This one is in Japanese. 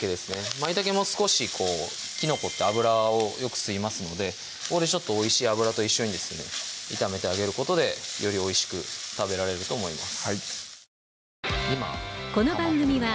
まいたけも少しこうきのこって油をよく吸いますのでここでちょっとおいしい油と一緒に炒めてあげることでよりおいしく食べられると思います